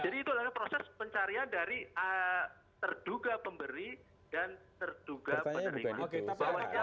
jadi itu adalah proses pencarian dari terduga pemberi dan terduga penerima